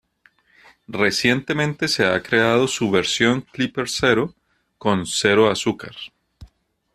Recientemente se ha creado su versión Clipper Zero con cero azúcar.